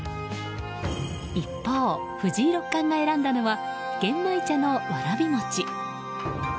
一方、藤井六冠が選んだのは玄米茶のわらび餅。